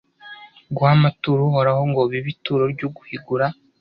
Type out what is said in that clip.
guha amaturo uhoraho ngo bibe ituro ry’uguhigura.